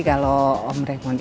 kalau om raymond